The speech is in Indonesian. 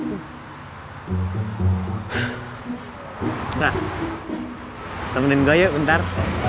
temenin gue yuk bentar